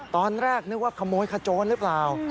ตอนแรกนึกว่าขโมยขโจรหรือเปล่า